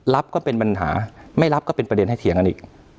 ก็เป็นปัญหาไม่รับก็เป็นประเด็นให้เถียงกันอีก